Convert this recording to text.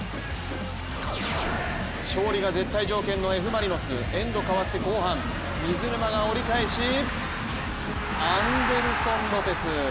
勝利が絶対条件のＦ・マリノスエンド変わって後半水沼が折り返し、アンデルソン・ロペス。